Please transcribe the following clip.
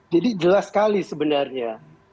jadi jelas sekali sebenarnya